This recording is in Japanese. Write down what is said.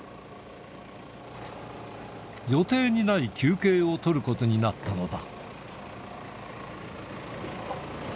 予定にない休憩を取ることになったのだ。